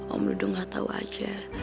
om lu gak tau aja